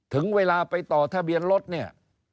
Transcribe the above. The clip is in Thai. ถึงเวลาไปต่อทะเบียนรถเนี่ย